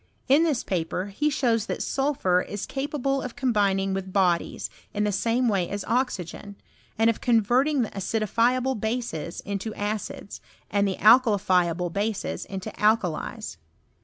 In this paper he shows that Bulphur is capable of combining with bodies, in the same way as oxygen, and of converting the acidi fiable bases into acids, and the alkalifiable bases into alkalies.